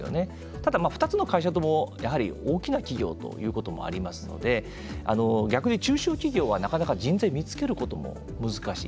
ただ、２つの会社とも大きな企業ということもありますので逆に中小企業は、なかなか人材見つけることも難しい。